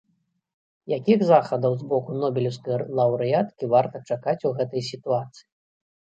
Якіх захадаў з боку нобелеўскай лаўрэаткі варта чакаць у гэтай сітуацыі?